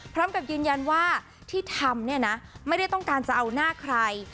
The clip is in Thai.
พร้อมกับยืนยันว่าที่ทำเนี่ยนะไม่ได้ต้องการจะเอาหน้าใคร